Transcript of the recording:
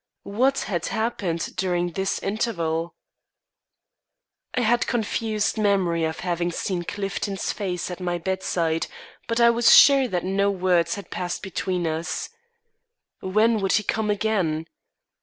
What had happened during this interval? I had a confused memory of having seen Clifton's face at my bedside, but I was sure that no words had passed between us. When would he come again?